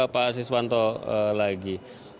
saya ke pak asiswanto lagi